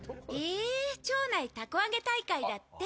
町内たこ揚げ大会だって。